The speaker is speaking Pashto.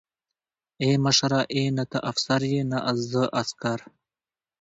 ای مشره ای نه ته افسر يې نه زه عسکر.